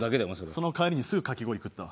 その帰りにすぐかき氷食ったわ。